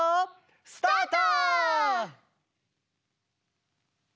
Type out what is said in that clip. スタート！